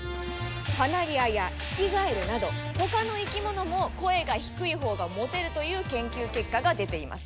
カナリアやヒキガエルなどほかの生き物も声が低い方がモテるという研究結果が出ています。